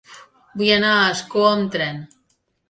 Vull anar a Ascó amb tren.